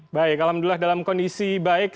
baik alhamdulillah dalam kondisi baik